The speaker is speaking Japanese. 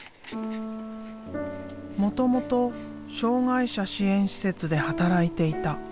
もともと障害者支援施設で働いていた。